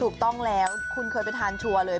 ถูกต้องแล้วคุณเคยไปทานชัวร์เลย